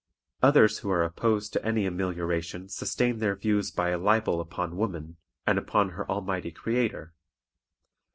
Others who are opposed to any amelioration sustain their views by a libel upon woman, and upon her Almighty Creator.